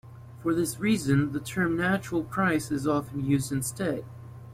For this reason, the term 'natural price' is often used instead.